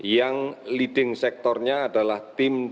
yang leading sektornya adalah tim dari rumah sakit